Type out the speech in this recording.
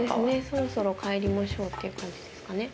そろそろ帰りましょうっていう感じですかね。